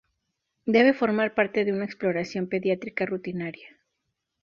Debe formar parte de una exploración pediátrica rutinaria.